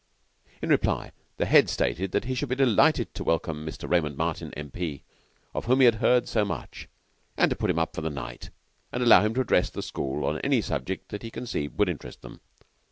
In reply, the Head stated that he should be delighted to welcome Mr. Raymond Martin, M.P., of whom he had heard so much; to put him up for the night, and to allow him to address the school on any subject that he conceived would interest them.